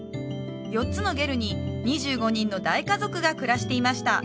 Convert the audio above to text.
４つのゲルに２５人の大家族が暮らしていました